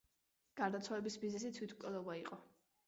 გარდაცვალების მიზეზი თვითმკვლელობა იყო.